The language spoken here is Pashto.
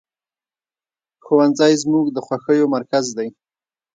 ښوونځی زموږ د خوښیو مرکز دی